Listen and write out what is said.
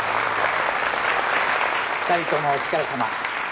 ２人ともお疲れさま。